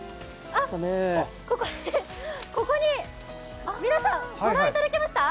ここに、皆さん、ご覧いただけました？